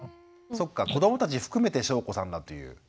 そっか子どもたち含めて翔子さんだという。